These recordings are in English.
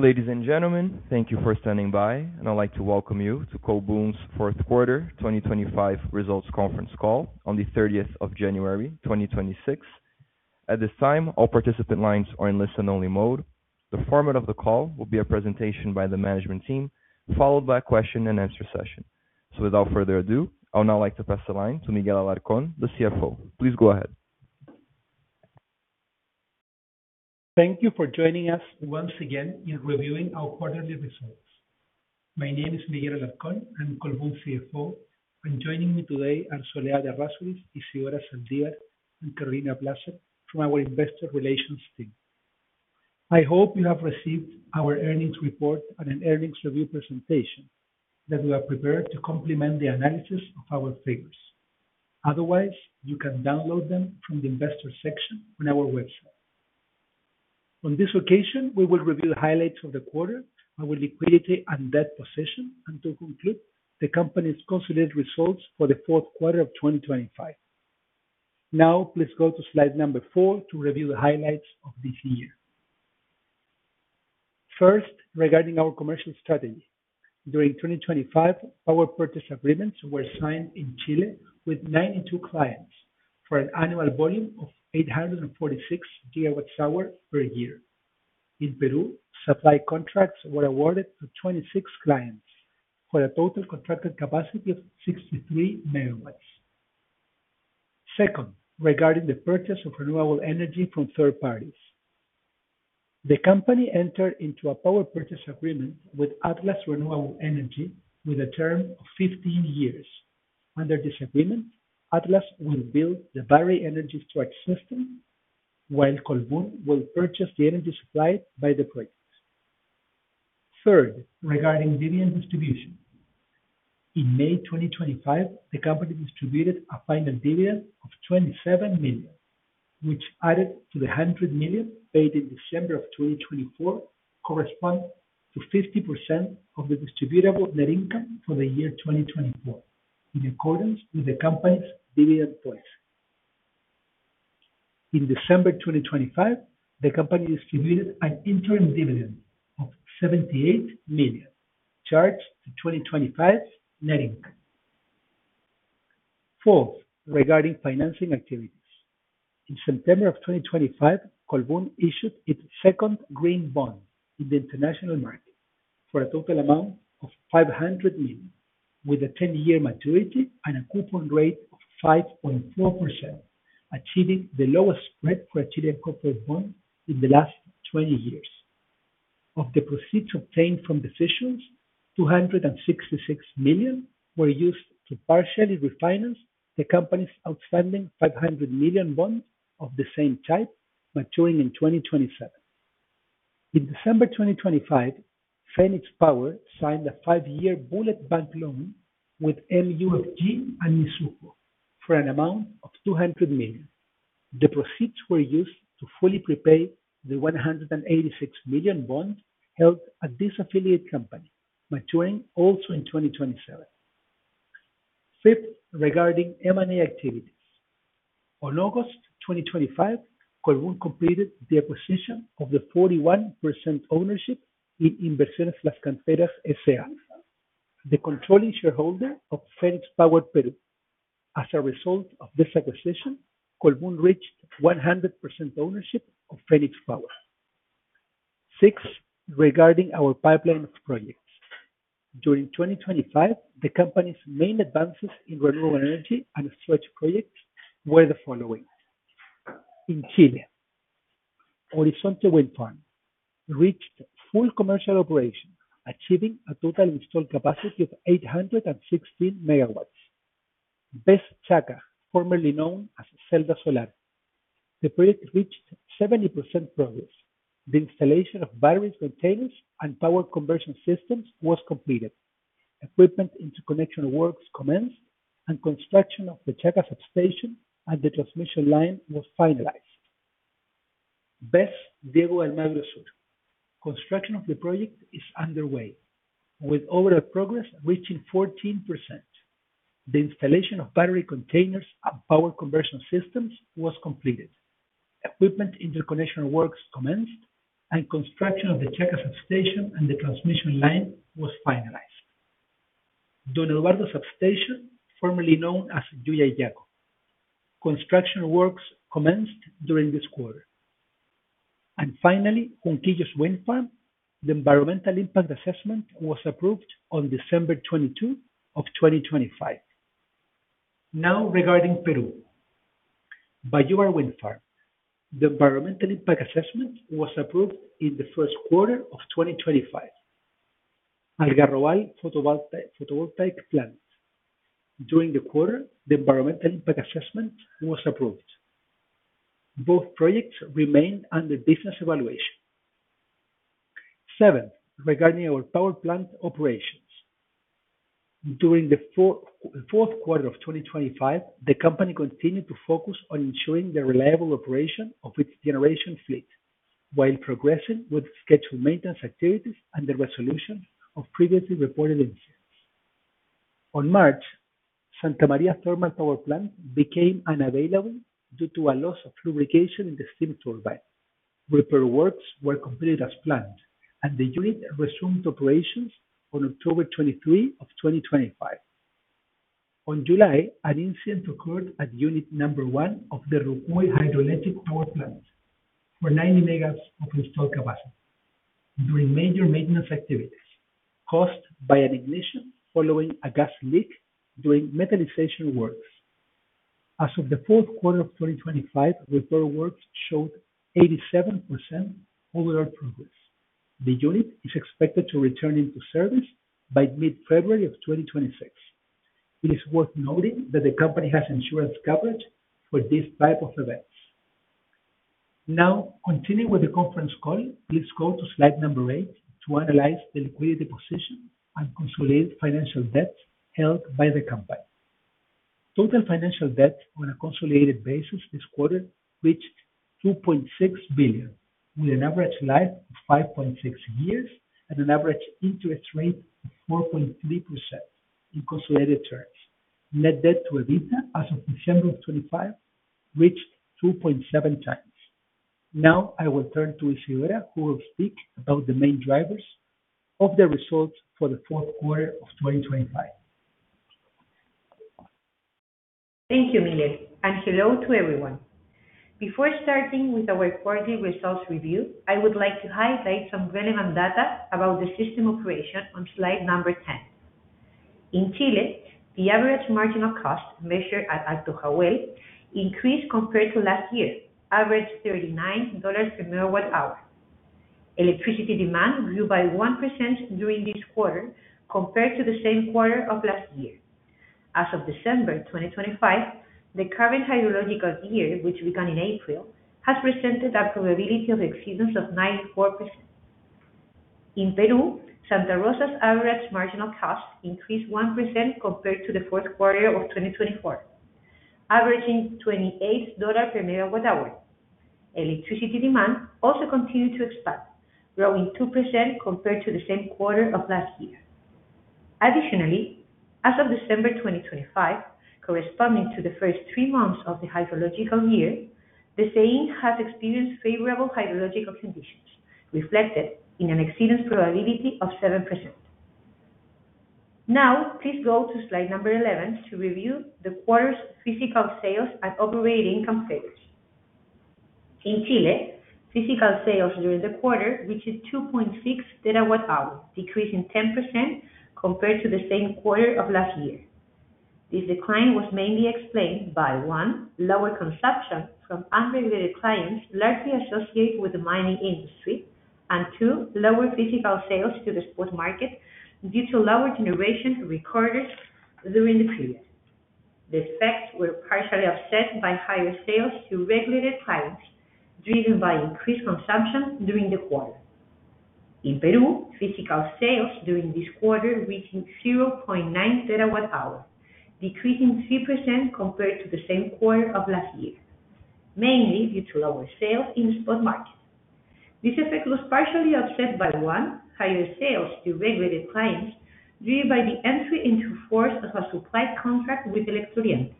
Ladies and gentlemen, thank you for standing by, and I'd like to welcome you to Colbún's fourth quarter 2025 results conference call on the 30th of January, 2026. At this time, all participant lines are in listen-only mode. The format of the call will be a presentation by the management team, followed by a question and answer session. So without further ado, I would now like to pass the line to Miguel Alarcón, the CFO. Please go ahead. Thank you for joining us once again in reviewing our quarterly results. My name is Miguel Alarcón, I'm Colbún CFO, and joining me today are Soledad Errázuriz, Isidora Zaldívar, and Carolina Plasser from our investor relations team. I hope you have received our earnings report and an earnings review presentation, that we are prepared to complement the analysis of our figures. Otherwise, you can download them from the investor section on our website. On this occasion, we will review the highlights of the quarter, our liquidity, and debt position, and to conclude, the company's consolidated results for the fourth quarter of 2025. Now, let's go to slide number 4 to review the highlights of this year. First, regarding our commercial strategy. During 2025, our purchase agreements were signed in Chile with 92 clients for an annual volume of 846 gigawatt hours per year. In Peru, supply contracts were awarded to 26 clients, with a total contracted capacity of 63 MW. Second, regarding the purchase of renewable energy from third parties. The company entered into a power purchase agreement with Atlas Renewable Energy, with a term of 15 years. Under this agreement, Atlas will build the battery energy storage system, while Colbún will purchase the energy supplied by the projects. Third, regarding dividend distribution. In May 2025, the company distributed a final dividend of $27 million, which added to the $100 million paid in December of 2024, correspond to 50% of the distributable net income for the year 2024, in accordance with the company's dividend policy. In December 2025, the company distributed an interim dividend of $78 million, charged to 2025's net income. Fourth, regarding financing activities. In September 2025, Colbún issued its second green bond in the international market for a total amount of $500 million, with a 10-year maturity and a coupon rate of 5.4%, achieving the lowest spread for a Chilean corporate bond in the last 20 years. Of the proceeds obtained from the issuance, $266 million were used to partially refinance the company's outstanding $500 million bonds of the same type, maturing in 2027. In December 2025, Fenix Power signed a 5-year bullet bank loan with MUFG and Mizuho for an amount of $200 million. The proceeds were used to fully prepay the $186 million bond held at this affiliate company, maturing also in 2027. Fifth, regarding M&A activities. On August 2025, Colbún completed the acquisition of the 41% ownership in Inversiones Las Canteras S.A., the controlling shareholder of Fenix Power Perú. As a result of this acquisition, Colbún reached 100% ownership of Fenix Power. Six, regarding our pipeline of projects. During 2025, the company's main advances in renewable energy and storage projects were the following: In Chile, Horizonte Wind Farm reached full commercial operation, achieving a total installed capacity of 816 MW. BESS Chaca, formerly known as Celda Solar, the project reached 70% progress. The installation of battery containers and power conversion systems was completed. Equipment interconnection works commenced, and construction of the Chaca substation and the transmission line was finalized. BESS Diego de Almagro Sur, construction of the project is underway, with overall progress reaching 14%. The installation of battery containers and power conversion systems was completed. Equipment interconnection works commenced, and construction of the Chaca substation and the transmission line was finalized. Don Eduardo Substation, formerly known as Llullaillaco. Construction works commenced during this quarter. And finally, Junquillos Wind Farm, the environmental impact assessment was approved on December 22, 2025. Now, regarding Peru. Bayóvar Wind Farm, the environmental impact assessment was approved in the first quarter of 2025. Algarrobal Photovoltaic Plant. During the quarter, the environmental impact assessment was approved. Both projects remain under business evaluation. 7, regarding our power plant operations. During the fourth quarter of 2025, the company continued to focus on ensuring the reliable operation of its generation fleet, while progressing with scheduled maintenance activities and the resolution of previously reported issues. On March, Santa María Thermal Power Plant became unavailable due to a loss of lubrication in the steam turbine. Repair works were completed as planned, and the unit resumed operations on October 23, 2025. On July, an incident occurred at unit number 1 of the Rucúe Hydroelectric Power Plant, for 90 MW of installed capacity, during major maintenance activities, caused by an ignition following a gas leak during metallization works. As of the fourth quarter of 2025, repair works showed 87% overall progress. The unit is expected to return into service by mid-February 2026. It is worth noting that the company has insurance coverage for these type of events. Now, continuing with the conference call, please go to slide number 8 to analyze the liquidity position and consolidated financial debt held by the company. Total financial debt on a consolidated basis this quarter reached $2.6 billion, with an average life of 5.6 years and an average interest rate of 4.3% in consolidated terms. Net debt to EBITDA as of December of 2025, reached 2.7 times. Now I will turn to Isidora, who will speak about the main drivers of the results for the fourth quarter of 2025. Thank you, Miguel, and hello to everyone. Before starting with our quarterly results review, I would like to highlight some relevant data about the system operation on slide number 10. In Chile, the average marginal cost measured at Alto Jahuel increased compared to last year, average $39 per MWh. Electricity demand grew by 1% during this quarter compared to the same quarter of last year. As of December 2025, the current hydrological year, which began in April, has presented a probability of exceedance of 94%. In Peru, Santa Rosa's average marginal cost increased 1% compared to the fourth quarter of 2024, averaging $28 per MWh. Electricity demand also continued to expand, growing 2% compared to the same quarter of last year. Additionally, as of December 2025, corresponding to the first three months of the hydrological year, the country has experienced favorable hydrological conditions, reflected in an exceedance probability of 7%. Now, please go to slide number 11 to review the quarter's physical sales and operating income figures. In Chile, physical sales during the quarter, which is 2.6 TWh, decreasing 10% compared to the same quarter of last year. This decline was mainly explained by, one, lower consumption from unregulated clients, largely associated with the mining industry. Two, lower physical sales to the spot market due to lower generation recorded during the period. The effects were partially offset by higher sales to regulated clients, driven by increased consumption during the quarter. In Peru, physical sales during this quarter reaching 0.9 TWh, decreasing 3% compared to the same quarter of last year, mainly due to lower sales in spot market. This effect was partially offset by, 1, higher sales to regulated clients due to the entry into force of a supply contract with Electro Oriente.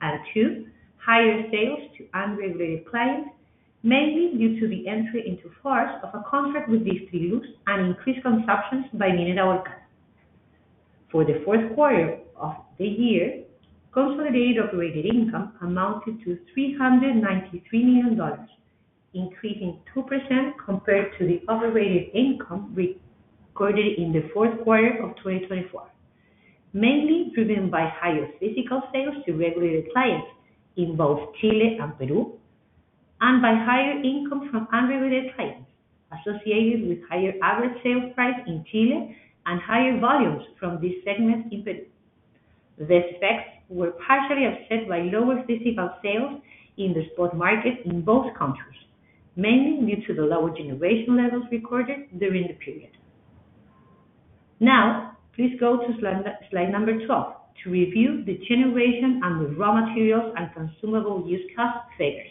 And 2, higher sales to unregulated clients, mainly due to the entry into force of a contract with Distriluz and increased consumptions by Volcan Compañía Minera. For the fourth quarter of the year, consolidated operating income amounted to $393 million, increasing 2% compared to the operating income reported in the fourth quarter of 2024. Mainly driven by higher physical sales to regulated clients in both Chile and Peru, and by higher income from unregulated clients, associated with higher average sales price in Chile, and higher volumes from this segment in Peru. These effects were partially offset by lower physical sales in the spot market in both countries, mainly due to the lower generation levels recorded during the period. Now, please go to slide number 12 to review the generation and the raw materials and consumable use cost figures.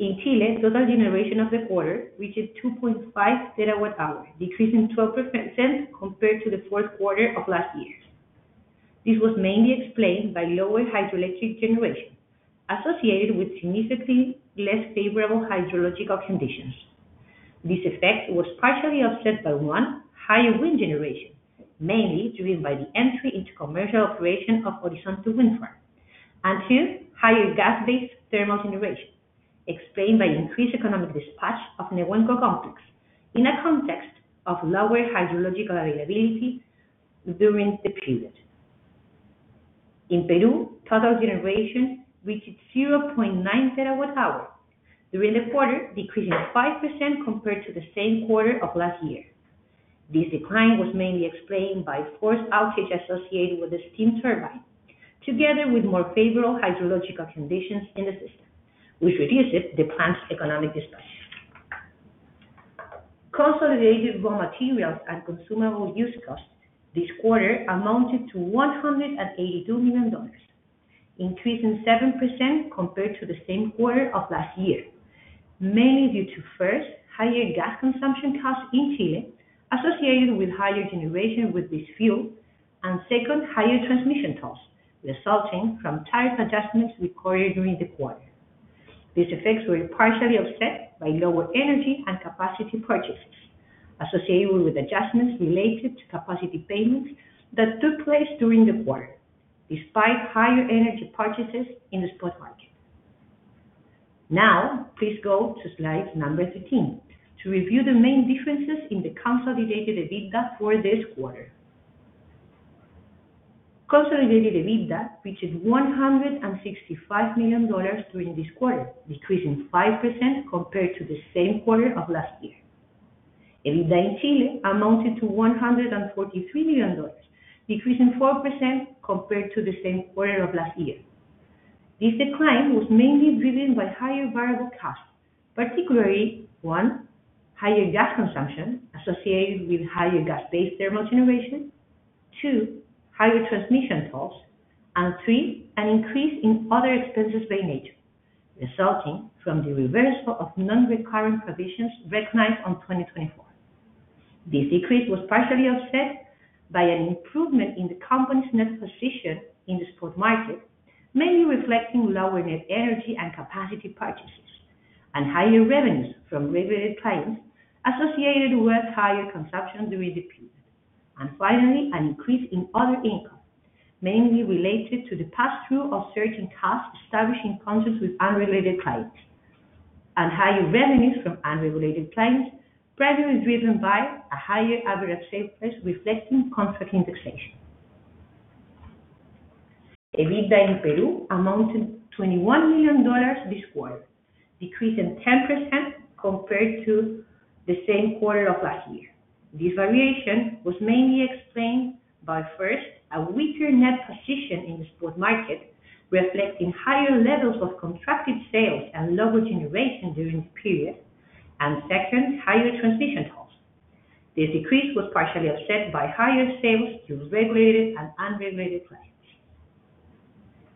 In Chile, total generation of the quarter reached 2.5 TWh, decreasing 12% compared to the fourth quarter of last year. This was mainly explained by lower hydroelectric generation, associated with significantly less favorable hydrological conditions. This effect was partially offset by, one, higher wind generation, mainly driven by the entry into commercial operation of Horizonte Wind Farm. And two, higher gas-based thermal generation, explained by increased economic dispatch of Nehuenco Complex in a context of lower hydrological availability during the period. In Peru, total generation reached 0.9 TWh during the quarter, decreasing 5% compared to the same quarter of last year. This decline was mainly explained by forced outage associated with the steam turbine, together with more favorable hydrological conditions in the system, which reduced the plant's economic dispatch. Consolidated raw materials and consumable use cost this quarter amounted to $182 million, increasing 7% compared to the same quarter of last year, mainly due to, first, higher gas consumption costs in Chile, associated with higher generation with this fuel, and second, higher transmission costs resulting from tariff adjustments recorded during the quarter. These effects were partially offset by lower energy and capacity purchases, associated with adjustments related to capacity payments that took place during the quarter, despite higher energy purchases in the spot market. Now, please go to slide 13 to review the main differences in the consolidated EBITDA for this quarter. Consolidated EBITDA reached $165 million during this quarter, decreasing 5% compared to the same quarter of last year. EBITDA in Chile amounted to $143 million, decreasing 4% compared to the same quarter of last year. This decline was mainly driven by higher variable costs, particularly, 1, higher gas consumption associated with higher gas-based thermal generation. 2, higher transmission costs, and 3, an increase in other expenses by nature, resulting from the reversal of non-recurring provisions recognized on 2024. This decrease was partially offset by an improvement in the company's net position in the spot market, mainly reflecting lower net energy and capacity purchases, and higher revenues from regulated clients associated with higher consumption during the period. And finally, an increase in other income, mainly related to the pass-through of certain costs established in contracts with unrelated clients, and higher revenues from unregulated clients, primarily driven by a higher average sales price reflecting contract indexation. EBITDA in Peru amounted $21 million this quarter, decreasing 10% compared to the same quarter of last year. This variation was mainly explained by, first, a weaker net position in the spot market, reflecting higher levels of contracted sales and lower generation during the period, and second, higher transmission costs. This decrease was partially offset by higher sales to regulated and unregulated clients.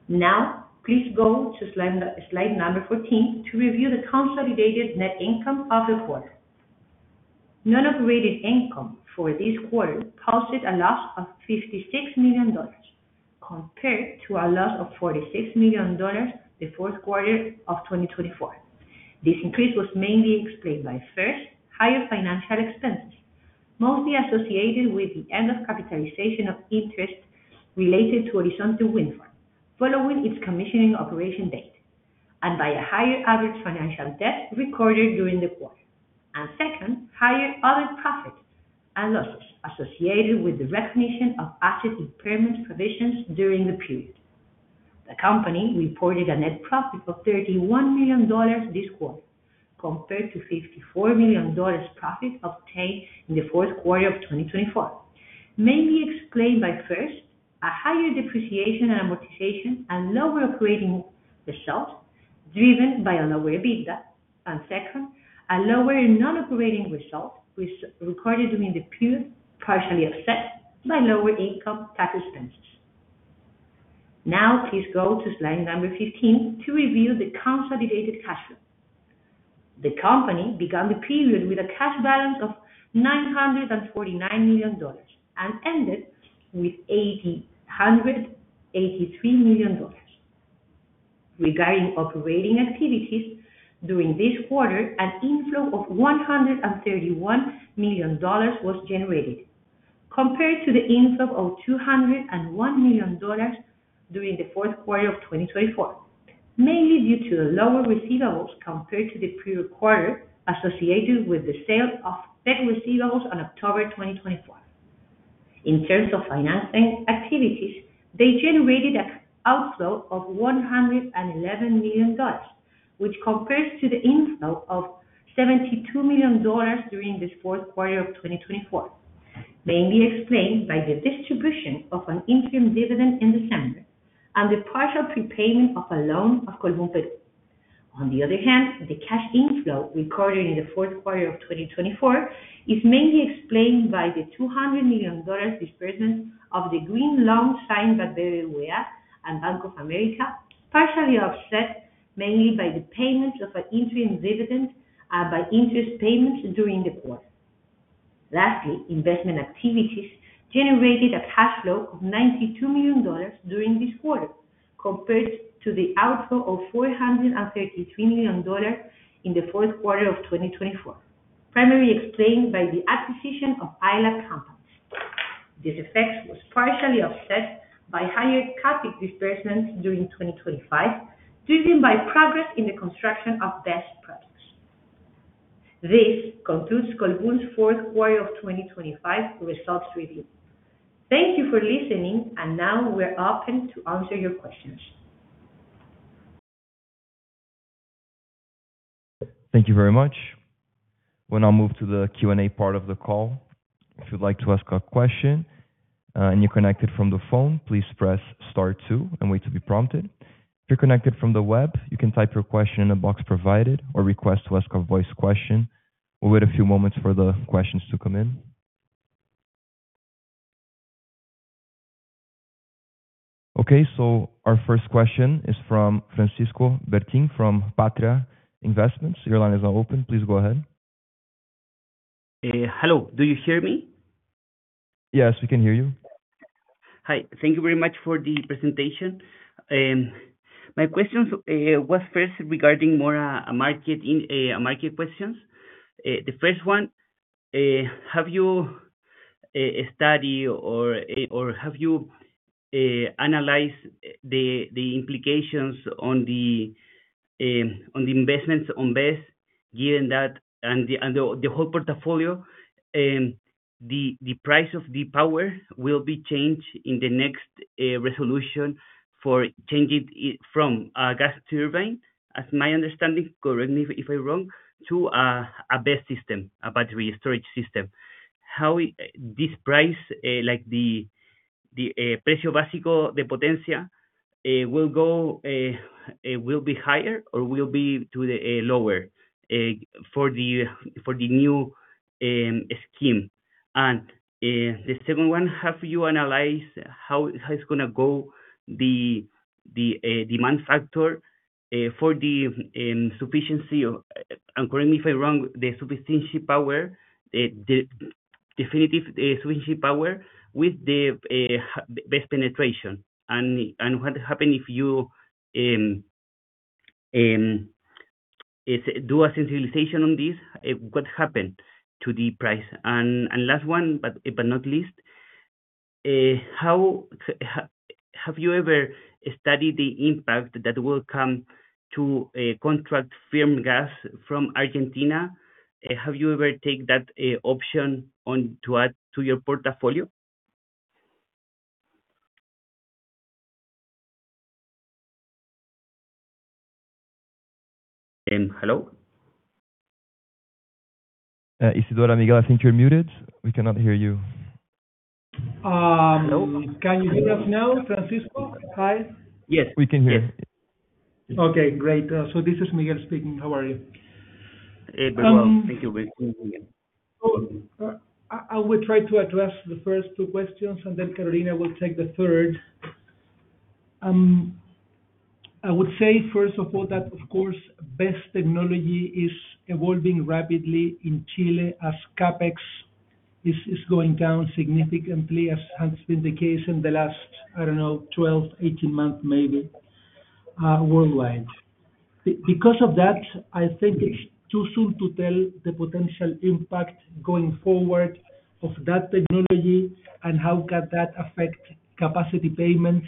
Now, please go to slide number 14, to review the consolidated net income of the quarter. Non-operating income for this quarter caused a loss of $56 million, compared to a loss of $46 million the fourth quarter of 2024. This increase was mainly explained by, first, higher financial expenses, mostly associated with the end of capitalization of interest related to Horizonte Wind Farm, following its commissioning operation date, and by a higher average financial debt recorded during the quarter. And second, higher other profits and losses associated with the recognition of asset impairment provisions during the period. The company reported a net profit of $31 million this quarter, compared to $54 million profit obtained in the fourth quarter of 2024. Mainly explained by, first, a higher depreciation and amortization, and lower operating results driven by a lower EBITDA. And second, a lower non-operating result which recorded during the period, partially offset by lower income tax expenses. Now, please go to slide number 15 to review the consolidated cash flow. The company began the period with a cash balance of $949 million, and ended with $883 million. Regarding operating activities, during this quarter, an inflow of $131 million was generated, compared to the inflow of $201 million during the fourth quarter of 2024, mainly due to the lower receivables compared to the prior quarter, associated with the sale of debt receivables on October 2024. In terms of financing activities, they generated an outflow of $111 million, which compares to the inflow of $72 million during this fourth quarter of 2024, mainly explained by the distribution of an interim dividend in December, and the partial prepayment of a loan of Colbún Peru. On the other hand, the cash inflow recorded in the fourth quarter of 2024 is mainly explained by the $200 million disbursement of the green loan signed by BBVA and Bank of America, partially offset mainly by the payment of an interim dividend and by interest payments during the quarter. Lastly, investment activities generated a cash flow of $92 million during this quarter, compared to the outflow of $433 million in the fourth quarter of 2024, primarily explained by the acquisition of ILA companies. This effect was partially offset by higher CapEx disbursements during 2025, driven by progress in the construction of these projects. This concludes Colbún's fourth quarter of 2025 results review. Thank you for listening, and now we're open to answer your questions. Thank you very much. We'll now move to the Q&A part of the call. If you'd like to ask a question, and you're connected from the phone, please press star two and wait to be prompted. If you're connected from the web, you can type your question in the box provided or request to ask a voice question. We'll wait a few moments for the questions to come in.... Okay, so our first question is from Francisco Bertin, from Patria Investments. Your line is now open, please go ahead. Hello, do you hear me? Yes, we can hear you. Hi. Thank you very much for the presentation. My questions was first regarding more, a market in, a market questions. The first one, have you study or, or have you analyzed the, the implications on the, on the investments on BESS, given that and the, and the, the whole portfolio, the, the price of the power will be changed in the next, resolution for changing it from, gas turbine, as my understanding, correct me if I'm wrong, to, a BESS system, a battery storage system. How this price, like the, the, precio básico de potencia, will go, will be higher or will be to the, lower, for the, for the new, scheme? And the second one, have you analyzed how it's gonna go, the demand factor for the sufficiency of... And correct me if I'm wrong, the sufficiency power, the definitive sufficiency power with the BESS penetration. And what happen if you if do a sensitization on this, what happened to the price? And last one, but not least, have you ever studied the impact that will come to contract firm gas from Argentina? Have you ever take that option on to add to your portfolio? Hello? Isidora or Miguel, I think you're muted. We cannot hear you. Um- Hello? Can you hear us now, Francisco? Hi. Yes. We can hear. Yes. Okay, great, so this is Miguel speaking. How are you? Hey, very well. Um- Thank you very again. I will try to address the first two questions, and then Carolina will take the third. I would say, first of all, that of course, BESS technology is evolving rapidly in Chile as CapEx is going down significantly, as has been the case in the last, I don't know, 12, 18 months, maybe, worldwide. Because of that, I think it's too soon to tell the potential impact going forward of that technology and how can that affect capacity payments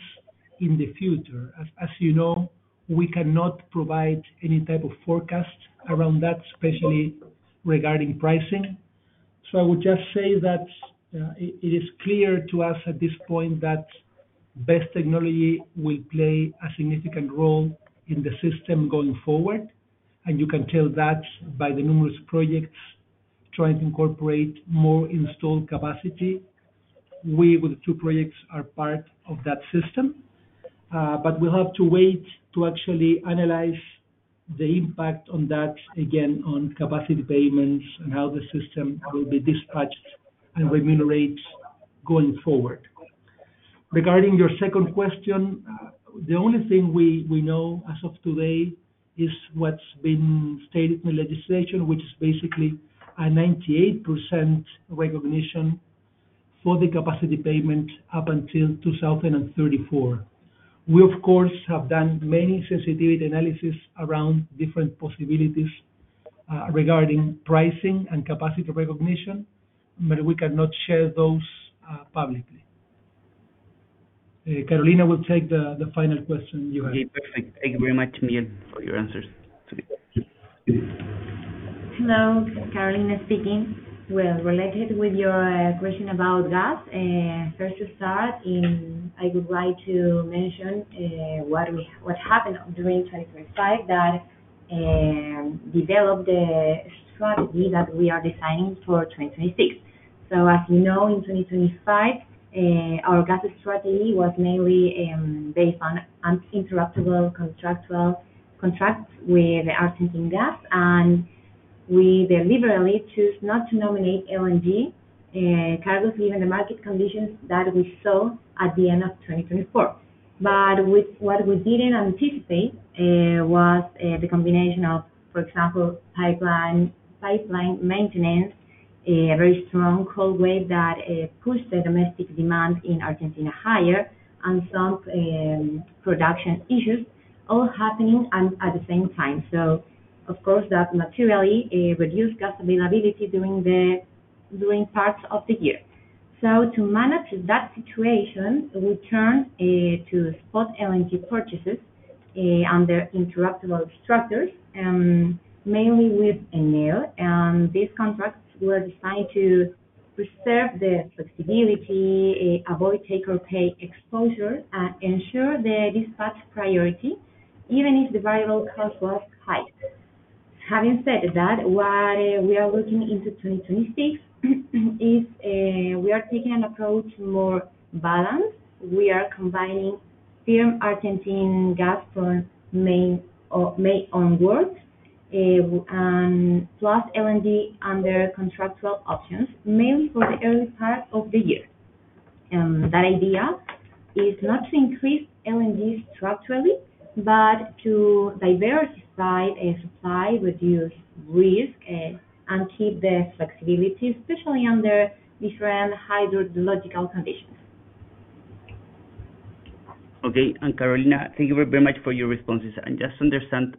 in the future. As you know, we cannot provide any type of forecast around that, especially regarding pricing. So I would just say that it is clear to us at this point that BESS technology will play a significant role in the system going forward, and you can tell that by the numerous projects trying to incorporate more installed capacity. We, with the two projects, are part of that system. But we'll have to wait to actually analyze the impact on that, again, on capacity payments and how the system will be dispatched and remunerate going forward. Regarding your second question, the only thing we know as of today is what's been stated in the legislation, which is basically a 98% recognition for the capacity payment up until 2034. We, of course, have done many sensitivity analysis around different possibilities, regarding pricing and capacity recognition, but we cannot share those, publicly. Carolina will take the final question you have. Okay, perfect. Thank you very much, Miguel, for your answers today. Hello, Carolina speaking. Well, related with your question about gas, first to start, I would like to mention, what we... What happened during 2025 that developed the strategy that we are designing for 2026. So as you know, in 2025, our gas strategy was mainly based on uninterruptible contractual contracts with Argentine gas, and we deliberately chose not to nominate LNG cargos, given the market conditions that we saw at the end of 2024. But with, what we didn't anticipate was the combination of, for example, pipeline maintenance, a very strong cold wave that pushed the domestic demand in Argentina higher and some production issues all happening at the same time. So of course, that materially reduced gas availability during parts of the year. So to manage that situation, we turned to spot LNG purchases under uninterruptible structures, mainly with ENI. And these contracts were designed to preserve the flexibility, avoid take or pay exposure, and ensure the dispatch priority, even if the variable cost was high. Having said that, what we are looking into 2026 is we are taking an approach more balanced. We are combining firm Argentine gas for main or main onwards.... plus LNG under contractual options, mainly for the early part of the year. That idea is not to increase LNG structurally, but to diversify and supply, reduce risk, and keep the flexibility, especially under different hydrological conditions. Okay. And Carolina, thank you very much for your responses. And just to understand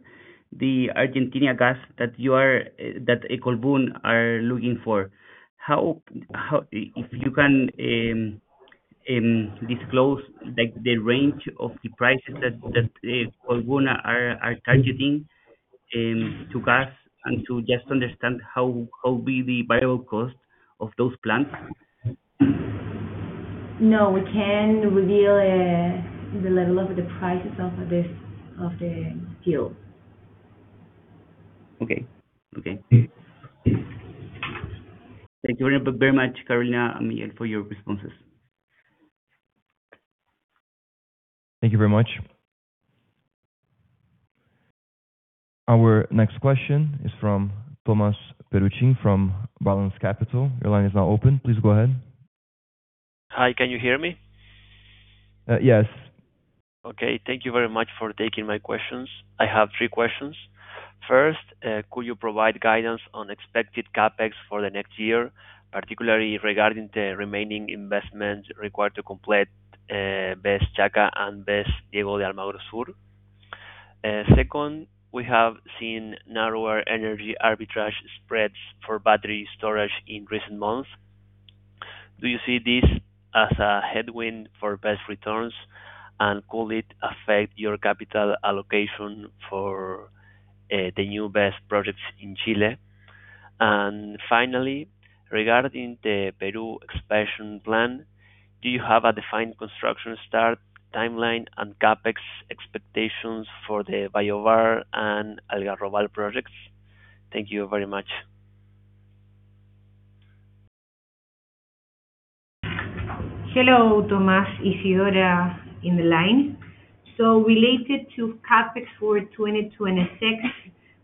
the Argentinian gas that you are that Colbún are looking for, how if you can disclose, like, the range of the prices that Colbún are targeting to gas, and to just understand how will be the variable cost of those plants? No, we can't reveal the level of the prices of this, of the deal. Okay. Okay. Thank you very much, Carolina, yeah, for your responses. Thank you very much. Our next question is from Thomas Perucin from Balance Capital. Your line is now open, please go ahead. Hi, can you hear me? Uh, yes. Okay. Thank you very much for taking my questions. I have three questions. First, could you provide guidance on expected CapEx for the next year, particularly regarding the remaining investment required to complete? Second, we have seen narrower energy arbitrage spreads for battery storage in recent months. Do you see this as a headwind for BESS returns? And could it affect your capital allocation for the new BESS projects in Chile? And finally, regarding the Peru expansion plan, do you have a defined construction start, timeline, and CapEx expectations for the Bayóvar and Algarrobal projects? Thank you very much. Hello, Thomas. Isidora on the line. So related to CapEx for 2026,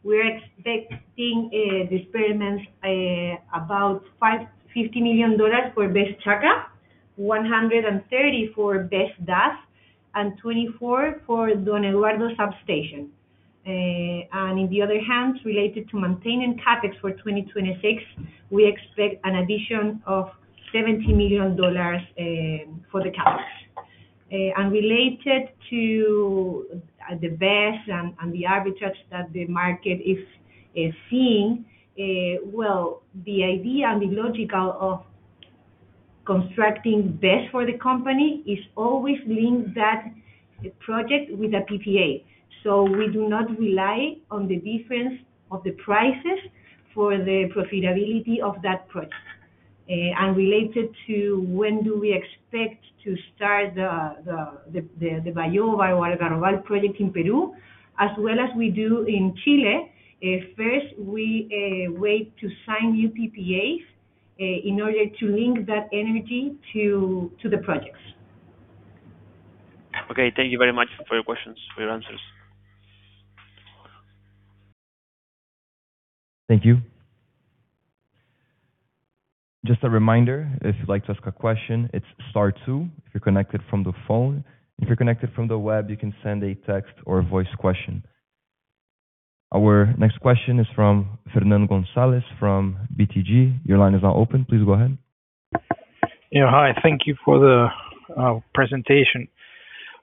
we're expecting disbursements about $50 million for BESS Chaca, $130 million for BESS Diego de Almagro Sur, and $24 million for Don Eduardo Substation. And on the other hand, related to maintenance CapEx for 2026, we expect an addition of $70 million for the CapEx. And related to the BESS and the arbitrage that the market is seeing, well, the idea and the logic of constructing BESS for the company is always link that project with a PPA. So we do not rely on the difference of the prices for the profitability of that project. And related to when do we expect to start the Bayóvar Algarrobal project in Peru, as well as we do in Chile, first, we wait to sign new PPAs in order to link that energy to the projects. Okay. Thank you very much for your questions—for your answers. Thank you. Just a reminder, if you'd like to ask a question, it's star two, if you're connected from the phone. If you're connected from the web, you can send a text or a voice question. Our next question is from Fernando González from BTG. Your line is now open, please go ahead. Yeah, hi, thank you for the presentation.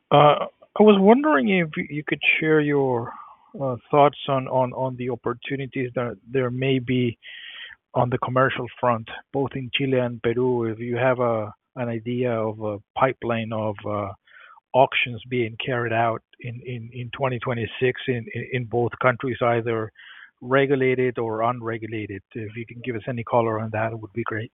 I was wondering if you could share your thoughts on the opportunities that there may be on the commercial front, both in Chile and Peru. If you have an idea of a pipeline of auctions being carried out in 2026, in both countries, either regulated or unregulated. If you can give us any color on that, it would be great.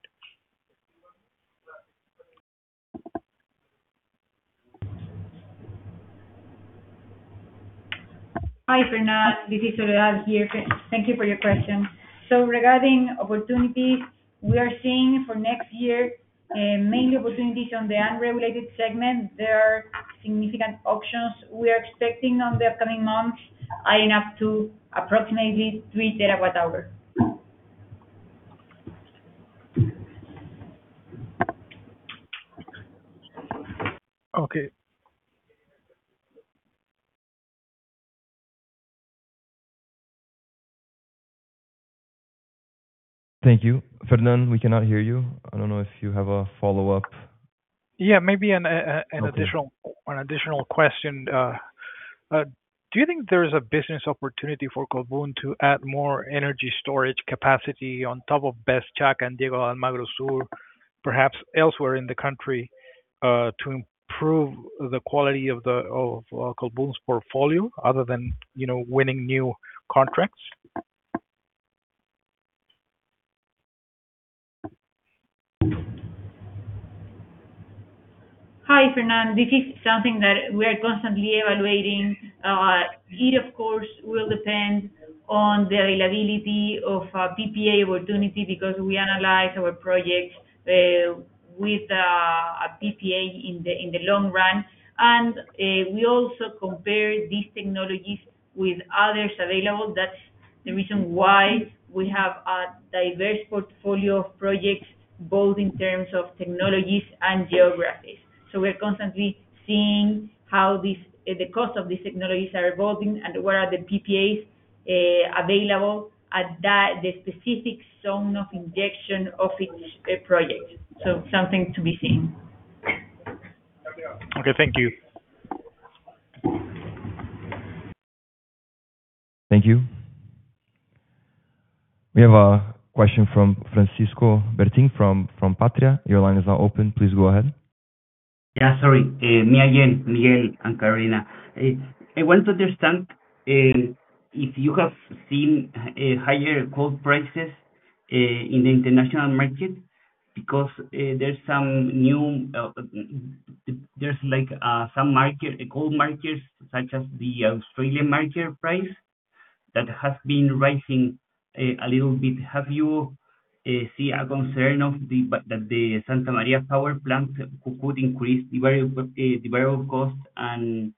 Hi, Fernando. This is Isidora here. Thank you for your question. So regarding opportunities, we are seeing for next year, many opportunities on the unregulated segment. There are significant options we are expecting on the upcoming months, adding up to approximately 3 TWh. Okay. Thank you. Fernando, we cannot hear you. I don't know if you have a follow-up. Yeah, maybe an additional- Okay. An additional question. Do you think there is a business opportunity for Colbún to add more energy storage capacity on top of, [inaudible] perhaps elsewhere in the country, to improve the quality of Colbún's portfolio, other than, you know, winning new contracts? Hi, Fernando. This is something that we are constantly evaluating. It, of course, will depend on the availability of PPA opportunity, because we analyze our projects with...... PPA in the, in the long run. And, we also compare these technologies with others available. That's the reason why we have a diverse portfolio of projects, both in terms of technologies and geographies. So we're constantly seeing how these, the cost of these technologies are evolving and where are the PPAs, available at that, the specific zone of injection of each, project. So something to be seen. Okay, thank you. Thank you. We have a question from Francisco Bertin from Patria. Your line is now open, please go ahead. Yeah, sorry, me again, Miguel and Carolina. I want to understand if you have seen higher coal prices in the international market, because there's some new, there's like some market coal markets, such as the Australian market price, that has been rising a little bit. Have you seen a concern that the Santa María power plant could increase the variable cost, and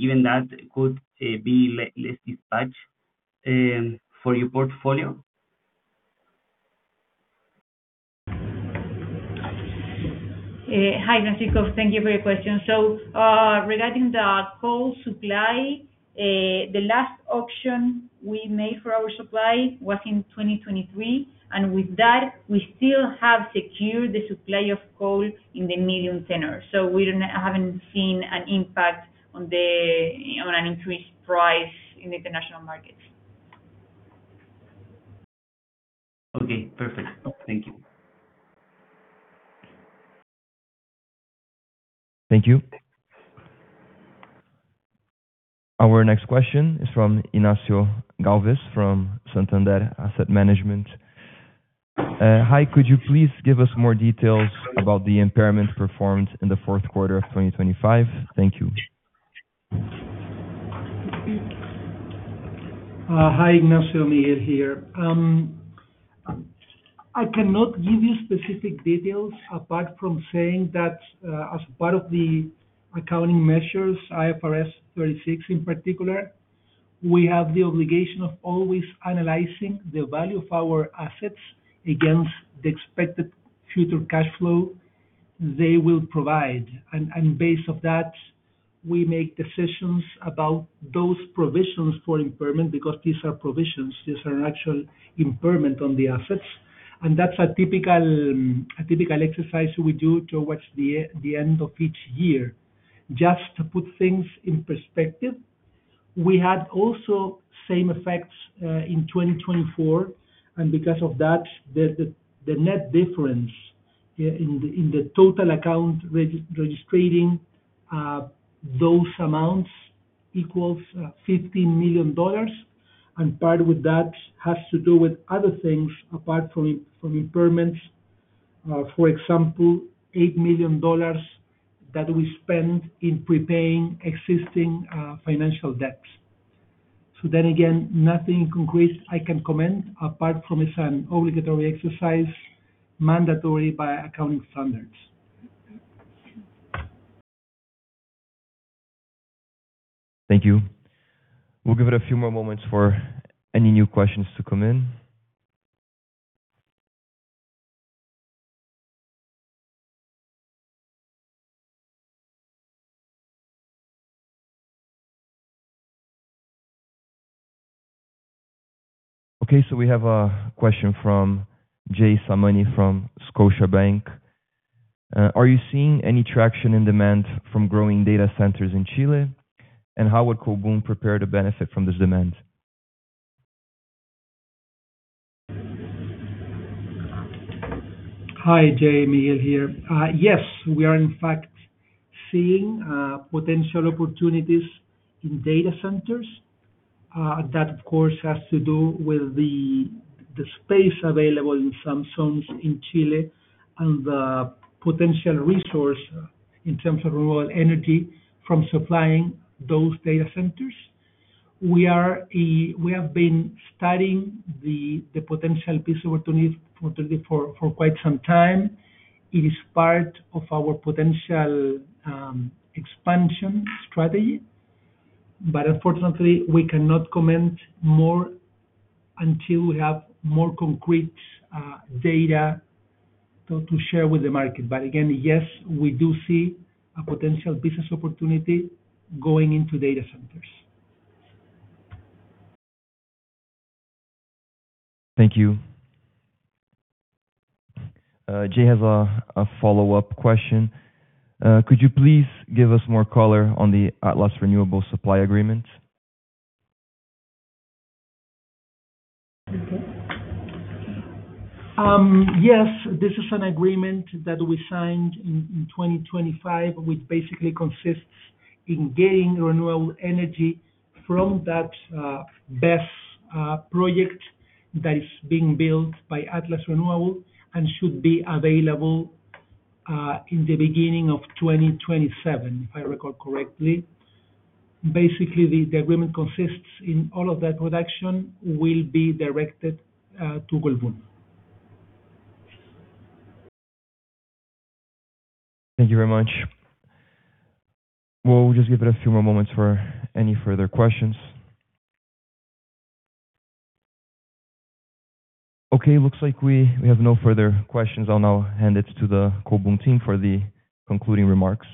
given that could be less dispatched for your portfolio? Hi, Francisco. Thank you for your question. So, regarding the coal supply, the last auction we made for our supply was in 2023, and with that, we still have secured the supply of coal in the medium tenor. So we're not-- haven't seen an impact on the, on an increased price in the international market. Okay, perfect. Thank you. Thank you. Our next question is from Ignacio Galvis, from Santander Asset Management. Hi, could you please give us more details about the impairment performed in the fourth quarter of 2025? Thank you. Hi, Ignacio, Miguel here. I cannot give you specific details apart from saying that, as part of the accounting measures, IFRS 36 in particular, we have the obligation of always analyzing the value of our assets against the expected future cash flow they will provide. And based of that, we make decisions about those provisions for impairment, because these are provisions, these are not actual impairment on the assets. And that's a typical, a typical exercise we do towards the end of each year. Just to put things in perspective, we had also same effects in 2024, and because of that, the net difference in the total account registering those amounts equals $50 million, and part of that has to do with other things apart from impairments. For example, $8 million that we spent in prepaying existing financial debts. So then again, nothing concrete I can comment, apart from it's an obligatory exercise, mandatory by accounting standards. Thank you. We'll give it a few more moments for any new questions to come in. Okay, we have a question from Jay Samani from Scotiabank. Are you seeing any traction in demand from growing data centers in Chile? And how would Colbún prepare to benefit from this demand? Hi, Jay, Miguel here. Yes, we are in fact seeing potential opportunities in data centers. That of course has to do with the space available in some zones in Chile, and the potential resource in terms of renewable energy from supplying those data centers. We are, we have been studying the potential business opportunity for quite some time. It is part of our potential expansion strategy, but unfortunately, we cannot comment more until we have more concrete data to share with the market. But again, yes, we do see a potential business opportunity going into data centers. Thank you. Jay has a follow-up question. Could you please give us more color on the Atlas Renewable supply agreement? Okay. Yes, this is an agreement that we signed in 2025, which basically consists in getting renewable energy from that BESS project that is being built by Atlas Renewable and should be available in the beginning of 2027, if I recall correctly. Basically, the agreement consists in all of that production will be directed to Colbún. Thank you very much. We'll just give it a few more moments for any further questions. Okay, looks like we, we have no further questions. I'll now hand it to the Colbún team for the concluding remarks.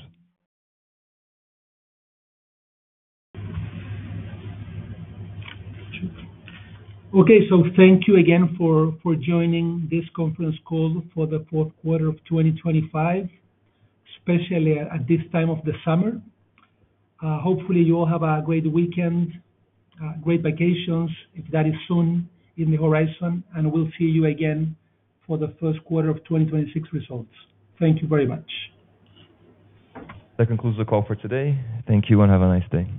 Okay, so thank you again for joining this conference call for the fourth quarter of 2025, especially at this time of the summer. Hopefully, you all have a great weekend, great vacations, if that is soon in the horizon, and we'll see you again for the first quarter of 2026 results. Thank you very much. That concludes the call for today. Thank you, and have a nice day.